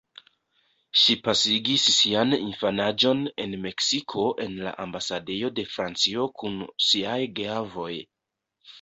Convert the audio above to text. Ŝi pasigis sian infanaĝon en Meksiko en la ambasadejo de Francio kun siaj geavoj.